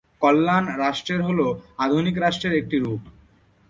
কল্যাণ রাষ্ট্রের হল আধুনিক রাষ্ট্রের একটি রূপ।